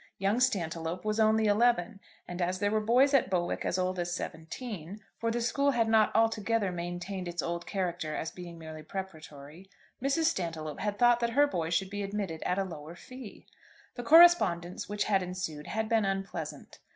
Young Stantiloup was only eleven, and as there were boys at Bowick as old as seventeen, for the school had not altogether maintained its old character as being merely preparatory, Mrs. Stantiloup had thought that her boy should be admitted at a lower fee. The correspondence which had ensued had been unpleasant.